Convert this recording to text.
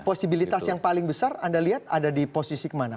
posibilitas yang paling besar anda lihat ada di posisi kemana